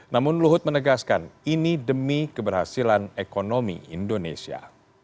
namun luhut menegaskan ini demi keberhasilan ekonomi indonesia